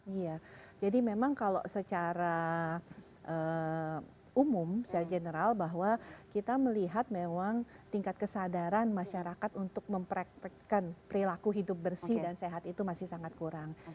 iya jadi memang kalau secara umum secara general bahwa kita melihat memang tingkat kesadaran masyarakat untuk mempraktekkan perilaku hidup bersih dan sehat itu masih sangat kurang